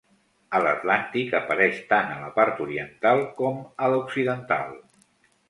A l'Atlàntic apareix tant a la part oriental com a l'occidental.